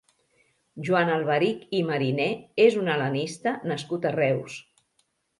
Joan Alberich i Mariné és un hel·lenista nascut a Reus.